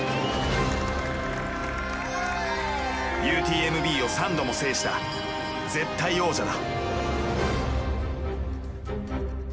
ＵＴＭＢを３度も制した絶対王者だ。